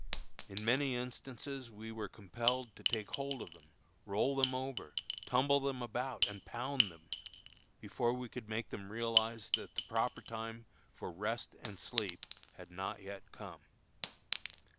In many instances we were compelled to take hold of them, roll them over, tumble them about, and pound them, before we could make them realize that the proper time for rest and sleep had not yet come.